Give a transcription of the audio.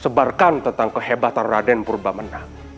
sebarkan tentang kehebatan raden purbamena